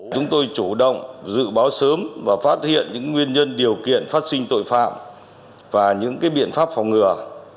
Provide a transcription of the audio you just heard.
chúng tôi chủ động dự báo sớm và phát hiện những nguyên nhân điều kiện phát sinh tội phạm và những biện pháp phòng ngừa